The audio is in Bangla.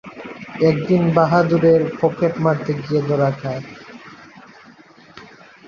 একদিন বাহাদুরের পকেট মারতে গিয়ে ধরা খায়।